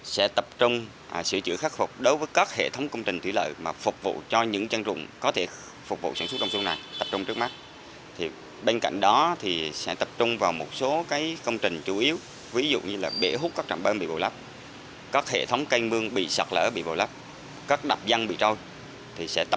sẽ tập trung sửa chữa khắc phục đối với các hệ thống công trình thủy lợi mà phục vụ cho những chân rùng có thể phục vụ sản xuất đồng xuân này tập trung trước mắt